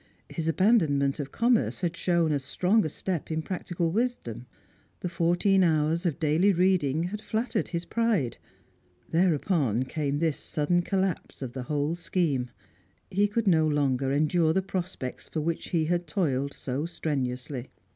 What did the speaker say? His abandonment of commerce had shown as a strong step in practical wisdom; the fourteen hours of daily reading had flattered his pride. Thereupon came this sudden collapse of the whole scheme. He could no longer endure the prospects for which he had toiled so strenuously.